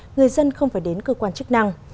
người dân không phải đến cơ quan chức năng